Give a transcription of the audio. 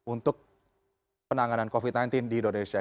untuk penanganan covid sembilan belas di indonesia